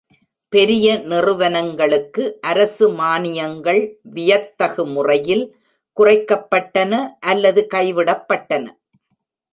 பெரிய நிறுவனங்களுக்கு அரசு மானியங்கள் வியத்தகு முறையில் குறைக்கப்பட்டன அல்லது கைவிடப்பட்டன.